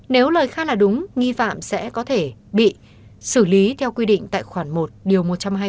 nếu lời khai là đúng nghi phạm sẽ có thể bị xử lý theo quy định tại khoản một điều một trăm hai mươi